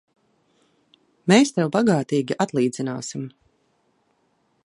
Mēs tev bagātīgi atlīdzināsim!